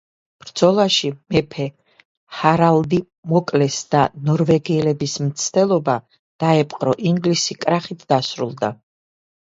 ბრძოლაში მეფე ჰარალდი მოკლეს და ნორვეგიელების მცდელობა დაეპყრო ინგლისი, კრახით დასრულდა.